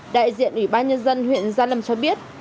đại diện ủy ban nhân dân huyện gia lâm cho biết